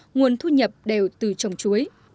nguồn thu nhập đều từ trồng chuối